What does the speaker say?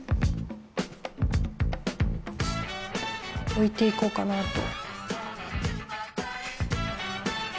おいていこうかなと。